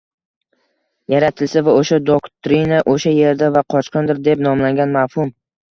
yaratilsa va o‘sha doktrina “o‘sha yerda” va “qachondir” deb nomlangan mavhum